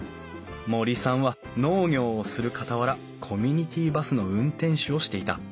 森さんは農業をするかたわらコミュニティーバスの運転手をしていた。